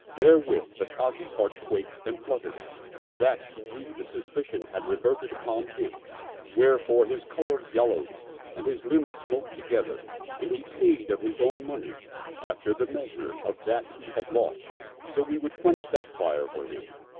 Therewith the Kazi's heart quaked and fluttered for that he knew the suspicion had reverted upon him, vherefore his color yellowed and his limbs smote together ; and he paid of his own money, after the measure of that he had lost, so we would quench that fire for him.